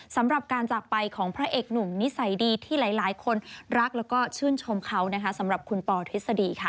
สำหรับการจากไปของพระเอกหนุ่มนิสัยดีที่หลายคนรักแล้วก็ชื่นชมเขานะคะสำหรับคุณปอทฤษฎีค่ะ